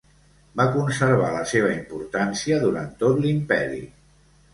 Va conservar la seva importància durant tot l'imperi.